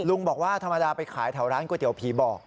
ลุงบอกว่าธรรมดาไปขายแถวร้านก๋วเตี๋ยผีบอก